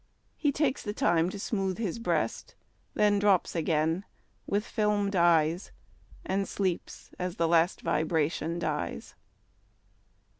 He takes the time to smooth his breast. Then drops again with fdmed eyes, And sleeps as the last vibration dies.